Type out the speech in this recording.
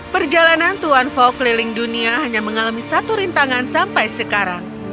perjalanan tuan fok keliling dunia hanya mengalami satu rintangan sampai sekarang